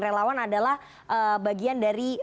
relawan adalah bagian dari